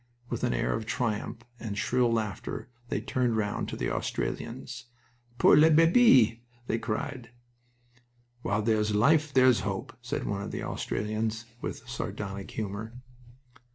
With an air of triumph and shrill laughter they turned round to the Australians. "Pour les bebes!" they cried. "While there's life there's hope," said one of the Australians, with sardonic humor.